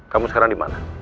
kamu sekarang di mana